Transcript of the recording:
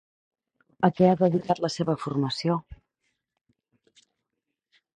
A què ha dedicat la seva formació?